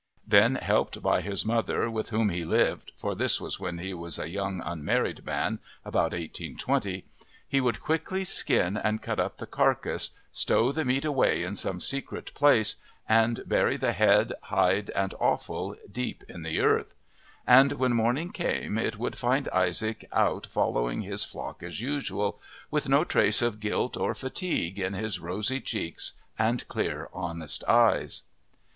Then, helped by his mother, with whom he lived (for this was when he was a young unmarried man, about 1820), he would quickly skin and cut up the carcass, stow the meat away in some secret place, and bury the head, hide, and offal deep in the earth; and when morning came it would find Isaac out following his flock as usual, with no trace of guilt or fatigue in his rosy cheeks and clear, honest eyes.